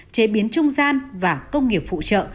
chế biến trung gian và công nghiệp phụ trợ